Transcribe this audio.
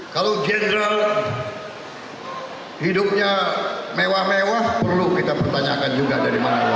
kalau general hidupnya mewah mewah perlu kita pertanyakan juga dari mana